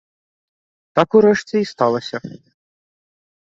Так урэшце і сталася.